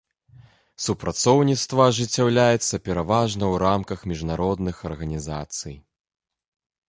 Супрацоўніцтва ажыццяўляецца пераважна ў рамках міжнародных арганізацый.